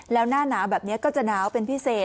แล้วหน้าหนาวแบบนี้ก็จะหนาวเป็นพิเศษ